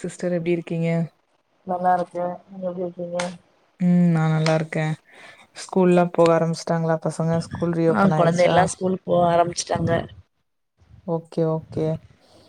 Sister எப்டி இருக்கீங்க நல்லா இருக்கே நீங்க எப்டி இருக்கீங்க ம் நா நல்லா இருக்கேன் ஸ்கூல்லாம் போக ஆரம்பிச்சுட்டாங்களா பசங்க ஸ்கூல் ஆ ரீஓபன் கொழந்தை ஆயிருச்சா எல்லா ஸ்கூல் போக ஆரம்பிச்சுட்டாங்க ஓகே ஓகே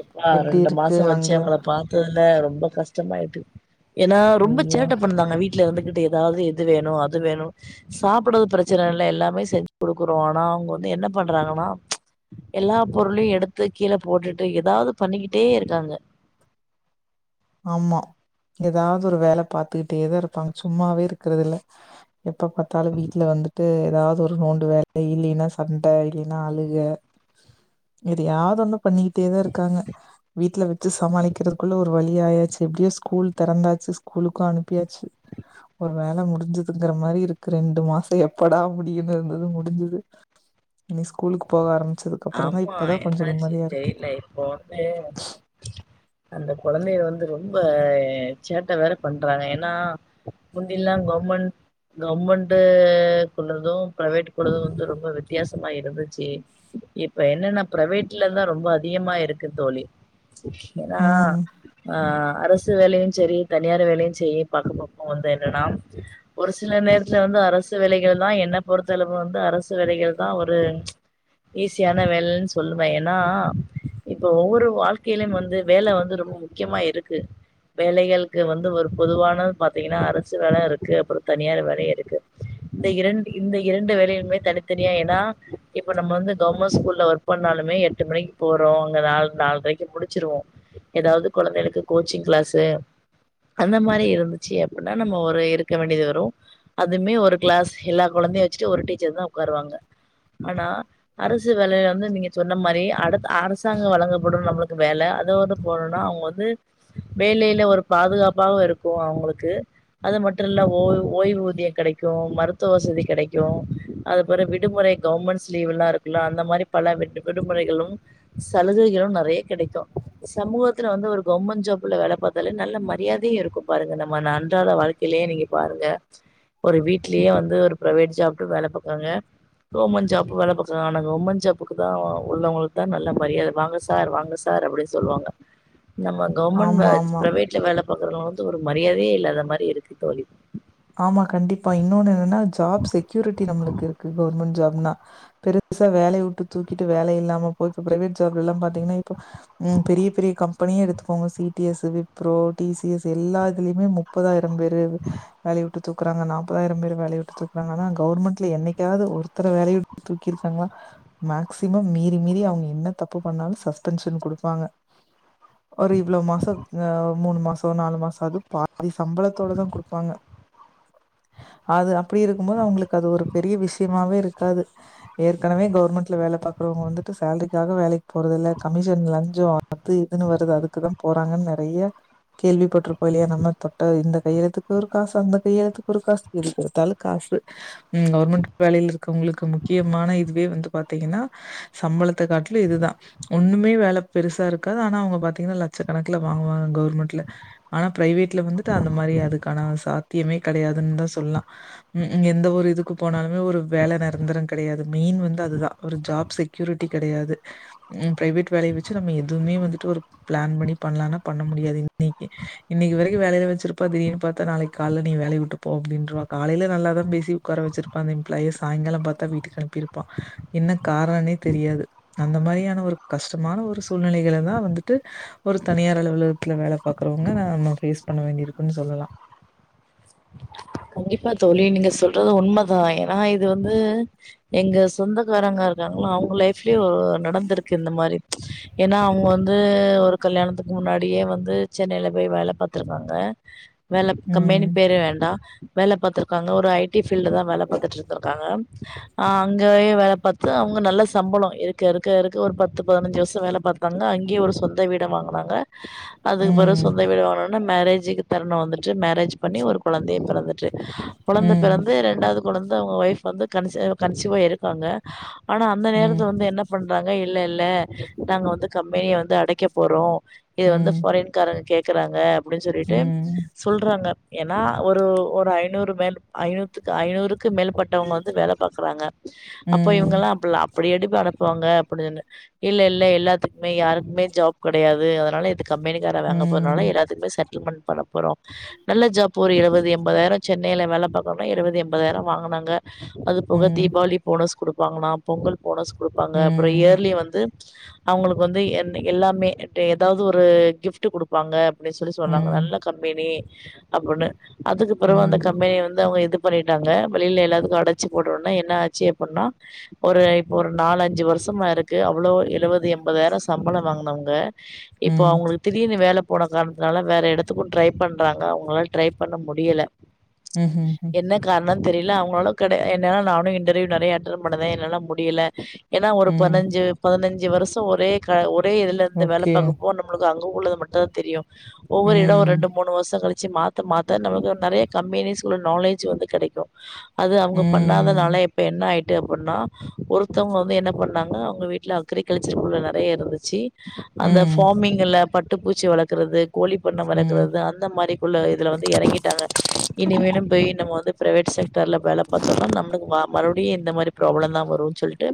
எப்பா எப்டி ரெண்டு இருக்கு மாசம் வச்சு அங்க அவங்கள பாத்து [unintelligible] ரொம்ப கஷ்டமாயிட்டு ஏன்னா ரொம்ப ஐயோ சேட்டை பண்ணுதாங்க வீ் ட்ல இருந்துகிட்டு ஏதாது இது வேணு அது வேணு சாப்பிடுறது பிரச்சனைல்ல எல்லாமே செஞ்சு குடுக்குறோம் ஆனா அவங்க வந்து என்ன பண்றாங்கன்னா எல்லா பொருளையும் எடுத்து கீழ போட் டுட்டு ஏதாது பண்ணிக்கிட்டே இருக்காங்க ஆமா ஏதாது ஒரு வேலை பாத்துக்கிட்டே தா இருப்பாங்க சும்மாவே இருக்கிறது இல்ல எப்ப பாத்தாலும் வீட்ல வந்துட்டு ஏதாது ஒரு நோண்டு வேலை இல்லன்னா சண்டை இல்லன்னா அழுக எதயாது ஒன் பண்ணிக்கிட்டே தான் இருக்காங்க வீட்ல வச்சு சமாளிக்கிறதுக்குள்ள ஒரு வழி ஆயாச்சு எப்டியோ ஸ்கூல் திறந்தாச்சு ஸ்கூலுக்கும் அனுப்பியாச்சு ஒரு வேலை முடிஞ்சதுங்கிற மாரி இருக்கு ரெண்டு மாசம் எப்படா முடியுனு இருந்து முடிஞ்சுது இனி ஸ்கூலுக்கு போக ஆரம் ஆமா என்னாச்சு தெரில இப்போ வந்து அந்த கொழந்தைகள் வந்து ரொம்ப சேட்டை வேற பண்றாங்க ஏன்னா முந்தில்லாம் கவர்மெண்ட் கவர்மெண்ட உள்ளதும் பிரைவேட் உள்ளதும் வந்து ரொம்ப வித்தியாசமா இருந்துச்சி இப்ப என்னன்னா பிரைவேட்ல தா ரொம்ப அதிகமா இருக்கு தோழி ஏன்னா ம் ஆ அரசு வேலையும் செரி தனியார் வேலையும் செரி பக்க பக்கம் வந்து என்னன்னா ஒரு சில நேரத்துல வந்து அரசு வேலைகள் தா என்ன பொறுத்தளவு வந்து அரசு வேலைகள் தா ஒரு ஈஸியான வேலைன்னு சொல்லுவேன் ஏன்னா இப்போ ஒவ்வொரு வாழ்க்கைலயும் வந்து வேலை வந்து ரொம்ப முக்கியமா இருக்கு வேலைகளுக்கு வந்து ஒரு பொதுவான பாத்தீங்கன்னா அரசு வேலை இருக்கு அப்றோ தனியார் வேலை இருக்கு இந்த இரண்டு இந்த இரண்டு வேலைகளுமே தனித்தனியா ஏன்னா இப்ப நம்ம வந்து கவர்மெண்ட் ஸ்கூல் ஒர்க் பண்ணாலுமே எட்டு மணிக்கு போறோம் அங்க நாலு நால் அரைக்கு முடிச்சிருவோம் ஏதாது கொழந்தைகளுக்கு கோச்சிங் கிளாஸு அந்த மாரி இருந்துச்சி அப்டின்னா நம்ம ஒரு இருக்க வேண்டியது வரும் அதுமே ஒரு கிளாஸ் எல்லா கொழந்தையும் வச்சுட்டு ஒரு டீச்சர் தா உக்காருவாங்க ஆனா அரசு வேலை வந்து நீங்க சொன்ன மாரி அடுத்த அரசாங்கம் வழங்கப்படும் நம்மளுக்கு வேலை அதை வந்து போனும்னா அவங்க வந்து வேலையில ஒரு பாதுகாப்பாக இருக்கும் அவுங்களுக்கு அது மட்டும் இல்ல ஓய் ஓய்வூதியம் கிடைக்கும் மருத்துவ வசதி கிடைக்கும் அது அப்றோ விடுமுறை கவர்மெண்ட்ஸ் லீவ் எல்லா இருக் இல்லா அந்த மாரி பல விடு விடுமுறைகளும் சலுகைகளும் நெறைய கிடைக்கும் சமூகத்துல வந்து ஒரு கவர்ன்மென்ட் ஜாப்ல வேலை பாத்தாலே நல்ல மரியாதையும் இருக்கும் பாருங்க நம்ம அன்றாட வாழ்க்கைலயே நீங்க பாருங்க ஒரு வீட்லயே வந்து ஒரு பிரைவேட் ஜாப்ல வேலை பாக்காங்க கவர்ன்மென்ட் ஜாப்ல வேலை பாக் ஆனா கவர்மெண்ட் ஜாபுக்கு தா உள்ளவங்களுக்கு தா நல்ல மரியாதை வாங்க சார் வாங்க சார் அப்டின்னு சொல்லுவாங்க நம்ம ஆமா கவர்மெண்ட் ஆமா பிரைவேட்ல வேலை பாக்குறவங்க வந்து ஒரு மரியாதையே இல்லாத மாரி இருக்கு தோழி ஆமா கண்டிப்பா இன்னொன்னு என்னன்னா ஜாப் செக்யூரிட்டி நம்மளுக்கு இருக்கு கவர்மெண்ட் ஜாப் னா பெருசா வேலை விட்டு தூக்கிட்டு வேலை இல்லாம போய இப்ப பிரைவேட் ஜாப்லலாம் பாத்தீங்கன்னா உம் பெரிய பெரிய கம் பணிய எடுத்துக்கோங்க C T S Wipro T C S எல்லாதுலயுமே முப்பதாயிர ரம் பேரு இரு வேலய உட்டு தூக்குறாங்க நாப்பதாயிரம் பேரு வேலைய விட்டு தூக்குறாங்க ஆனா கவுர்மெண்ட்ல என்னைக்காவது ஒருத்தர வேலைய விட்டு தூக்கிருக்காங்களா மேக்சிமம் மீறி மீறி அவுங்க என்ன தப்பு பண்ணாலும் சஸ்பென்ஷன் குடுப்பாங்க ஒரு இவ்ளோ மாசம் ஆ மூணு மாசம் நாலு மாசம் அது பாதி சம்பளத்தோடதா குடுப்பாங்க அது அப்டி இருக்கும் போது அவுங்களுக்கு அது ஒரு பெரிய விஷயமாவே இருக்காது ஏற்கனவே கவுர்மெண்ட்ல வேல பாக்கறவங்க வந்துட்டு சேலரிக்காக வேலைக்கு போறது இல்ல கமிஷன் லஞ்சம் அது இதுன்னு வருது அதுக்குதான் போறாங்கன்னு நெறைய கேள்விப்பட்டுருப்போம் இல்லையா நம்ம தொட்ட இந்த கையெழுத்துக்கு ஒரு காசு அந்த கையெழுத்துக்கு ஒரு காசு எதுக்கெடுத்தாலு காசு ம் கவர்மெண்ட் வேலையில இரு க்கவங்களுக்கு முக்கியமான இதுவே வந்து பாத்தீங்கன்னா சம்பளத்த காட்லு இதுதா ஒண்ணுமே வேல பெருசா இருக்காது ஆனா அவுங்க பாத்தீங்கன்னா லட்ச கணக்குல வாங்குவாங்க கவுர்மெண்ட்ல ஆனா பிரைவேட்ல வந்துட்டு அந்த மாரி அதுக்கான சாத்தியமே கெடையாதுன்னு தான் சொல்லாம் ம் எந்த ஒரு இதுக்கு போனாலு ம் ஒரு வேல நெறந்தரங் கெடையாது மெயின் வந்து அதுதான் ஒரு ஜாப் செக்யூரிட்டி கெடையாது பிரைவேட் வேலய வச்சு நம்ம எதுவுமே வந்து ட்டு ஒரு பிளான் பண்ணி பண்ணலானா பண்ண முடியாது இன்னைக்கு இன்னைக்கு வரைக்கும் வேலைல வச்சிருப்பா திடிர்னு பாத்தா நாளைக் கால நீ வேலைய உட்டுப்போ அப்டின்ருவா காலையில நல்லாதான் பேசி உக்கார வச்சிருப்பா அந்த எம்ப்ளாய சாய்ங்காலம் பாத்தா வீட்டுக்கு அனுப்பிருப்பான் என்ன காரணனே தெரியாது அந்த மாரியான ஒரு கஷ்டமான ஒரு சூழ்நெலைகளா தான் வந்துட்டு ஒரு தனியார் அலுவலகத்துல வேல பாக்குறவங்க நா நம்ம ஃபேஸ் பண்ண வேண்டி இருக்குன்னு சொல்லலாம் கண்டிப்பா தோழி நீங்க சொல்றது உண்மதான் ஏன்னா இது வந்து எங்க சொந்தக்காரங்க இருக்காங்களா அவங்க லைஃப்லயே ஒரு நடந்திருக்கு இந்த மாரி ஏன்னா அவுங்க வந்து ஒரு கல்யாணத்துக்கு முன்னாடியே வந்து சென்னைல போயி வேல பாத்துருக்காங்க வேல கம்பேனி ம். பேரே வேண்டாம் வேல பாத்துருக்காங்க ஒரு ஐ ட்டி ஃபீல்ட்ல தா வேல பாத்துட்டுருந்துருக்காங்க ஆ அங்கயே வேல பாத்து அவுங்க நல்ல சம்பளோம் இருக்க இருக்க இருக்க ஒரு பத்து பதினஞ்சு வருஷம் வேல பாத்தாங்க அங்கே ஒரு சொந்த வீட வாங்னாங்க அதுக்கு பற ம். சொந்த வீட வாங்னோனே மேரேஜிக்கு தறணம் வந்துட்டு மேரேஜ் பண்ணி ஒரு கொழந்தையே பிறந்து ட்டு கொழந்த ம். பிறந்து ரண்டாவது தொடர்ந்து அவுங்க ஒய்ஃப் வந்து கண்சிவ் கண்சிவா இருக்காங்க ஆனா அந்த ம். நேரத்த வந்து என்ன பண்றாங்க இல் இல்ல இல்ல நாங்க வந்து கம்பெனிய வந்து அடைக்க போறோம் இது வந்து ம். ஃபாரின்காரங்க கேக் கறாங்க அப்டின்னு சொல்லிட்டு ம். சொல்றாங்க ஏன்னா ஒரு ஒ ரு ஐநூறு மேல் ஐநூத்துக்கு ஐநூறு க்கு மேல் பட்டவங்க வந்து வேல பாக்கறாங்க அப்ப ம். இவங்கல்லாம் அப்லா அப்படி எடு து அனுப்பவாங்க அப்டின்னு இல்ல இல்ல எல்லாத்து குமே யாருக்குமே ஜாப் கெடையாது காலத் கம்பெனிக்கார வாங்க போறனால ம். எல்லாத்துக்குமே சட் ஜுமன் பண்ண போறோம் நல்ல ஜாப் ஒரு எழுபது எண்பதாயிரம் சென்னைல வேல பாக்கணும்னா எழுவது எண்பதாயிரம் வாங்கனாங்க அது போக ம். தீபாவளி போனஸ் குடுப்பாங்கன்னா பொங்கல் போனஸ் குடுப்பாங்க அப்புறம் ம். இயர்லி வந்து அவுங்களுக்கு வந்து என்ன எல்லாமே என்ட எதாவது ஒரு கிஃப்ட்டு குடுப்பாங்க அப்டி சொல்லி சொன்னாங்க ம். நல்ல கம்பேனி அப்படு அ ப்புறவும் அந்த ம். கம்பெனி வந்து அவுங்க த்து பண்ணிட்டாங்க வெளில எல்லா அடைச்சி போட்ட ஒன்னே என்னாச்சி அப்பினா ஒரு இப்ப ஒரு நாலு அஞ்சு வருஷமா இருக்கு அவ்ளோ எழுவ து எம்பதாயிரம் சம்பளம் வாங்கன அவு ற இப்போ ம். அவுங்களுக்கு திடிரினு வேல போன காரணத்துனால வேற எடத்துக்கும் ட்ரை பண்றாங்க அவங்களால ட்ரை பண்ண முடியல ம் ம் ணம் தெரில அவங்களவுக்கு கெடயா என்னாலு நானும் இன்டர்வியூ நெறயா அட்டன் பண்ணறன் என்னால முடியல ஏனா ஒரு ம். பனஞ்சு பதினஞ்சு அஞ்சி வருஷம் ஒரே க ஒரு அப்டே இதுல இருந்து வேல ஓகே. பாக்கப்போ நம்மளுக்கு அங் க உள்ளது மட்டுதா தெரியும் ஒவ்வொரு எடம் ம். ரண்டு மூணு வருஷம் கழிச் சி மாத்த மாத்த நமக்கு நெறயா கம்பெனிஸ்குள்ள நாலேஜ் வந்து கெடைக்கும் அது அவுங்க ம். பண்ணாதனால இப்ப என்ன ஆயி இத பண்ணா ஒருத்தவுங்க வந்து என்ன பண்ணாங்க அவுங்க வீட்ல அக்ரி கல்ச்சர்குள்ள நெறயா இருந்துச்சு அந்த ம். ஃபார்மிங்ல பட் ட்டு பூச்சி வளக்கறது கோழி பண்ண ம். வளக்கறது அந்த மாரிக்குள்ள இதுல வந்து எறங்கிட்டாங்க இனிமேலும் போயி நம் ம வந்து பிரைவேட் செக்டார்ல வேல பாத்தோன்னா நம்பளுக்கு வ மறுபடியும் இந்த மாரி ப்ராப்ளம் தான் வரும் சொல்ட்டு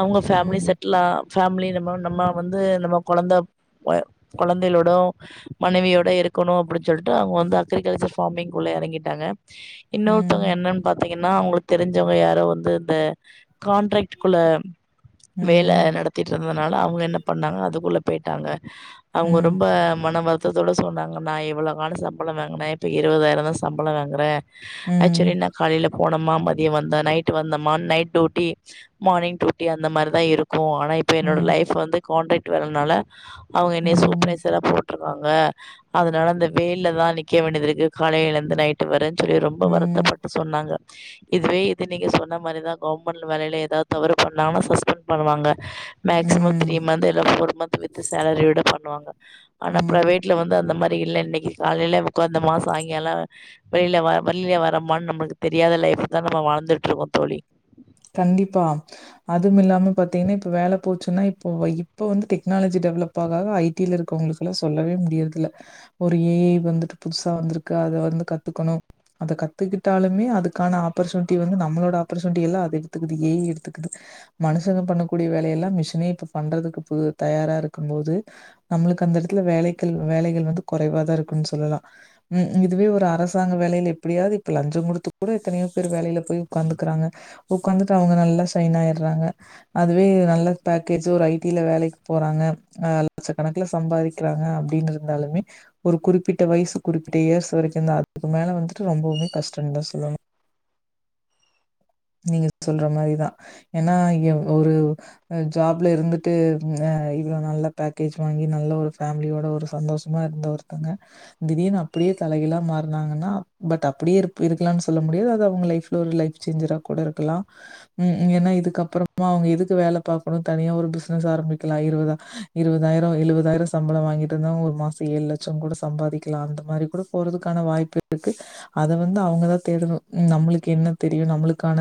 அவுங்க ஃபேமிலி ம். செட்லா ஃபேமிலி நம்ம நம்ம வந்து நம்ம கொழந்த கொய கொழந்தைகளோடும் மனைவியோட இருக்கணு அப்டி சொல்ட்டு அவுங்க வந்து அக்ரிகல்ச்சர் ஃபார்மிங்குள்ள எறங்கிட்டாங்க இன்னொருத்தவங்க ம். என்னான் பாத்தீங் என்னா அவங்களுக்கு தெரிஞ்சவங்க யாரோ வந்து ந்த கான்ட்ராக்டக்குள்ள ம். வேல நடத்திட்டு இருந்ததுனால அவங்க என்ன பண்ணாங்க அதுக்குள்ள பெயிட்டாங்க அவங்க ம். ரொம்ப மனவ ருத்ததோட சொன்னாங்கன்னா இவ்ளோ காலோ சம்பளம் வேங்ணே இப்ப இருவதாயிரோ தா சம்பளம் வாங்குறே ம். ம். அக்ச்சுலி நா காலைல போனமா மதியோ வந்த நைட் வந்தமா நைட் டூட்டி மார்னிங் டூட்டி அந்த மாரிதா இருக் போ ஆனா இப்ப என்னோட லைஃப் வந்து கான்டக்ட் வேலனால அவங்க என்னைைய ம். சூப்ரைஸரா போ ட்ருக்காங்க அதனால இந்த வெயில்லதா நிக்கவே வேண்டியதுருக் ருகு காலையிலழுந்து நைட்டு வர செரி ரொம்ப ம். வருத்தப்பட்டு சொன்னாங்க இதுவே இது நீங்க சொன்ன மாரிதா கவர்மெண்ட் வேலையில ஏதாவது தவறு பண்ணாம சஸ்பெண்ட் பண்ணுவாங்க மேக்சிமம் ம். த்ரீ மந்த்ல்ல ஃபோர் மந்த் வித் சேலரியுட பணோ னுவாங்க ஆனா ம். ப்ரவெட்ல வந்து அந்த மாரி இல்ல இன்னிக்கு காலையில உக்காந்த மாஸ் சாய்ங்காலோ வெளியில வர வளியிய வரமனு நம்மளுக்கு தெரியாத லைஃப் தா நம்ம வாழ்ந்துட்டுருக்கோ தோழி கண்டிப்பா. அதுவும் இல்லாம பார்த்தீங்கன்னா, இப்ப வேல போச்சுன்னா, இப்போ இப்ப வந்து டெக்னாலஜி டெவலப் ஆக ஐ டி ல இருக்கவங்களுக்குெல்லா சொல்லவே முடியறது இல ஒரு ஏ ஐ வந்துட்டு புதுசா வந்திருக்கு அத வந்து கத்துக்கணும அத கத்துக்கிட்டாலுமே அதுக்கான ஆப்பர்ச்சுனிட்டி வந்து நம்மளோட ஆப்பர்ச்சுனிட்டி எல்லா எடுத்துக்குது ஏ எடுத்துக்குது மனுஷங்க பண்ண கூடிய வேலையல்லா மிஷினே இப்ப பண்றதுக்கு புது தயாரா இருக்கு போது நம்மளுக்கு அந்த எடத்துல வேலைகள் ‌வேலைகள் வந்து‌ குறைவாதா இருக்குனு சொல்லலாம் ம் இதுவே ஒரு அரசாங்க வேலையில இப்டியாது‌ இப்ப லஞ்சோ குடுத்து கூட எத்தனையோ பேரு வேலையில போய் ஒக்காந்துக்குறாங்க உட்காந்துட்டு அவங்க நல்லா ஷைன் ஆயடுறாங்க அதுவே நல்ல பேக்கேஜ் ஒரு ஐ டி ல வேலைக்கு போறாங்க ஆ லட்சக்கணக்குல சம்பாதிக்கிறாங்க அப்டின்னு இருந்தாலுமே ஒரு குறிப்பிட்ட வயசு குறிப்பிட்ட இயர்ஸ் வரைக்கும்ந்தா அதுக்கு மேல வந்துட்டு ரொம்பவுமே கஷ்டம்னு தா சொல்லனு நீங்க சொல்ற மாரிதா ஏனா ஒரு ஜாப்ல இருந்துட்டு அ இவ்ளோ நல்ல பேக்கேஜ் வாங்கி நல்ல ஒரு ஃபேமிலியோட ஒரு சந்தோஷமா இருந்த ஒருத்தங்க திடீனு அப்டியே தலைகிலா மாறனாங்கன்னா பட் அப்டியே இருக்கலாம்னு சொல்ல முடியாது அது அவங்க லைஃப்ல ஒரு லைஃப் சேஞ்சரா கூட இருக்கலா ம் என்னா இதுக்கப்புறமா அவங்க எதுக்கு வேல பாக்கணு தனியா ஒரு பிசினஸ் ஆரம்பிக்கலா இருதா இருவதாயிரோ எழுவதாயிரோ சம்பளம் வாங்கிட்டு இருந்தாங்க ஒரு மாசம் ஏழு லட்சம் கூட சம்பாதிக்கலா அந்த மாதிரி கூட போறதுக்கான வாய்ப்பு இருக்கு அத வந்து அவங்கதா தேடணு நம்ளுக்கென்ன தெரியு நம்ளுக் கான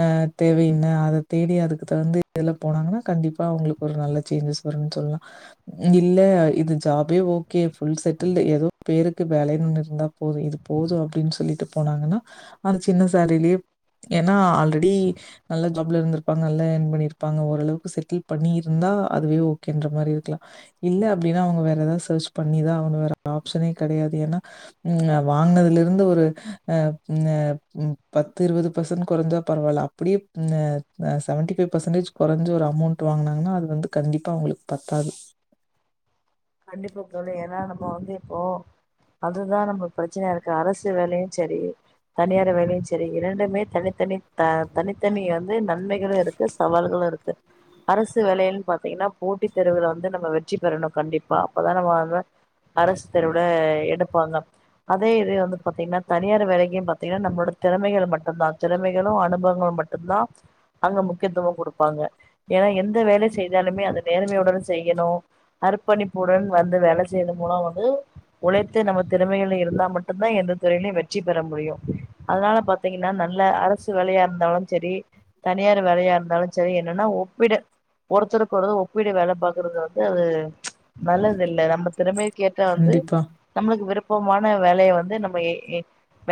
அ தேவை என்ன அதை தேடி அதுக்கு தகுந்து இதெல்லாம் போனாங்கன்னா கண்டிப்பா அவங்களுக்கு ஒரு நல்ல சேஞ்சஸ் வரும்னு சொல்லலா இல்ல இது ஜாபே ஓகே ஃபுல் செட்டில்டு ஏதோ பேருக்கு வேலைணு இருந்தா போது இது போதும் அப்டின்னு சொல்லிட்டு போனாங்கன்னா அது சின்ன சால்ரிலையே ஏன்னா ஆல்ரெடி நல்ல ஜாப்ல இருந்திருப்பாங்க நல்லா ஏன் பண்ணிருப்பாங்க ஓரளவுக்கு செட்டில் பண்ணிருந்தா அதுவே ஓகேன்ற மாதிரி இருக்கலா இல்ல அப்டின்னா அவங்க வேற ஏதாவது சர்ச் பண்ணிதா ஆவனு வேற ஆப்ஷனே கிடையாது ஏன்னா ம் வாங்கினதுலருந்து ஒரு அ பின்ன பத் த்து இருபது பர்சன்ட் கொறஞ்சா பரவால்ல அப்டியே அ செவன்டி ஃபைவ் பர்சன்டேஜ் கொறைஞ்சு ஒரு அமௌண்ட் வாங்கினாங்கன்னா அது வந்து கண்டிப்பா அவங்களுக்கு பத்தாது கண்டிப்பா தோழி ஏன்னா நம்ம வந்து இப்போ அதுதா நம்ம பிரச்சனையா இருக்கு அரசு வேலையும் சரி தனியார் வேலையும் சரி இரண்டுமே தனித்தனி தனித்தனி வந்து நன்மைகளும் இருக்கு சவால்களு இருக்கு அரசு வேலைையன்னு பாாரத்தீங்கன்னா போட்டி தேருவுல வந்து நம்ம வெற்றி பெறணு கண்டிப் ப அப்பதா நம்மளாள அரசு தேருவுல எடுப்பாங்க அதே இது வந்து பா்த்தீங்கன்னா தனியார் வேலைக்கு பா்த்தீங்கன்னா நம்மளோட திறமைகள் மட்டும் தா திறமைகளும் அனுபவங்களும் மட்டும் தா அங்க முக்கியத்துவம் கொடுப்பாங்க ஏன்னா எந்த வேலை செய்தாலுமே அத நேர்மைய உடன் செய்யணு அரு பணிப்புடன் வந்து வேல செய்து மூலம் வந்து உழைத்து நம்ம திறமைகள் இருந்தா மட்டும்தா எந்த துறையிலையும் வெற்றி பெற முடியு அதனால பாாரத்தீங்கன்னா நல்ல அரசு வேலையா இருந்தாலு செரி தனியார் வேலையா இருந்தாலு சரி என்னன்னா ஒப்பிட ஒருத்தருக்கு ஒப்பிடு வேல பாார்கறது வந்து அது நல்லது இல்ல நம்ம திறமை கேட்ட வந்து கண்டிப்பா. நம்மளுக்கு விருப் குப்பமான வேலைய வந்து நம்ம எ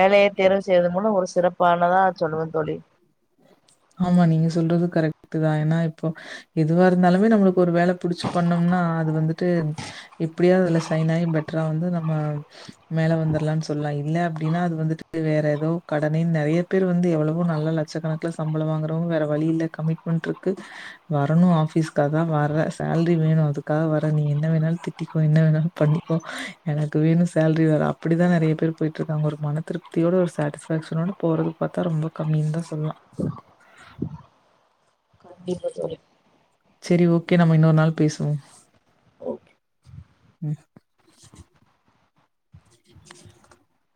வேலைய தேர்வு செய்வதன் மூலம் ஒரு சிறப்பானதா சொல்லுவே த தோழி ஆமா நீங்க சொல்றது கரெக்ட் தா ஏன்னா இப்போ எதுவா இருந்தாலுமே நம்மளுக்கு ஒரு வேலை புடிச்சு பண்ணோம்னா அது வந்துட்டு எப்டியாது அதுல சைன் ஆயி பெட்டரா வந்து நம்ம மேல வந்துடலாம்னு சொல்லா இல்ல அப்டின்னா அது வந்துட்டு வேற ஏதோ கடனை நெறைய பேர் வந்து எவ்வளவோ நல்ல லட்சக்கணக்குல சம்பளம் வாங்குறவங்க வேற வழி இல்ல கமிட்மெண்ட் இருக்கு வரணும் ஆஃபீஸ்க்காக தா வர சேல்ரி வேணு அதுக்காக வர நீ என்ன வேணாலு திட்டிக்கோ என்ன வேணாலு பண்ணிக்கோ எனக்கு வேணும் சேல்ரி வர அப்படிதா நெறைய பேர் போயிட்டு இருக்காங்க ஒரு மன திருப்தியோட ஒரு சாட்டிஸ்ஃபேக்ஷனோட போறது பார்த்தா ரொம்ப கம்மின்னு தா சொல்லலா கண்டிப்பா தோழி செரி ஓகே நம்ம இன்னொர் நாள் பேசுவோ ஓகே உ உ